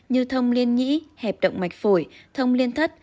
như thông liên nhĩ hẹp động mạch phổi thông liên thất